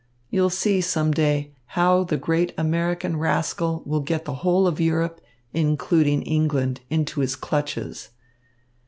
You'll see some day how the great American rascal will get the whole of Europe, including England, into his clutches.